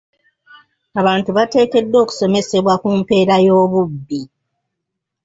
Abantu bateekeddwa okusomesebwa ku mpeera y'obubbi.